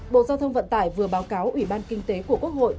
bộ giao thông vận tải vừa báo cáo ủy ban kinh tế của quốc hội